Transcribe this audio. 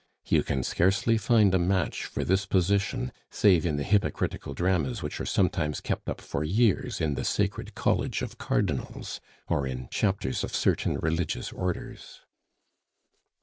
You can scarcely find a match for this position save in the hypocritical dramas which are sometimes kept up for years in the sacred college of cardinals, or in chapters of certain religious orders.